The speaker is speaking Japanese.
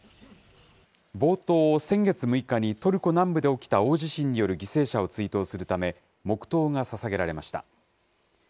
冒頭、先月６日にトルコ南部で起きた大地震による犠牲者を追悼するため、黙とうがささげられました。